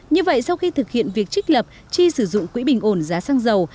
như vậy sau khi thực hiện việc trích lập chi sử dụng quỹ bình ổn giá xăng dầu